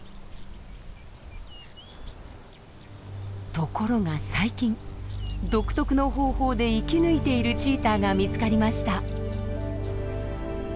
ところが最近独特の方法で生き抜いているチーターが見つかりました。